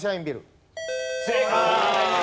正解！